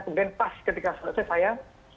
kemudian pas ketika selesai saya langsung buka